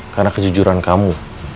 karena kejujuran kamu